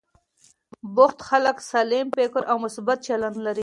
بوخت خلک سالم فکر او مثبت چلند لري.